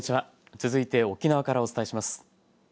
続いて沖縄からお伝えします。